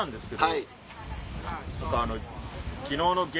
はい。